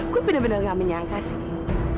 gue bener bener gak menyangka sih